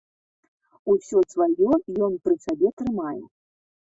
Усё сваё ён пры сабе трымае.